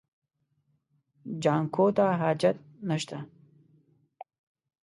جانکو ته حاجت نشته.